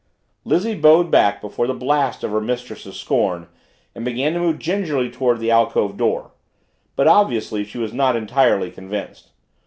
Lizzie bowed before the blast of her mistress's scorn and began to move gingerly toward the alcove door. But obviously she was not entirely convinced.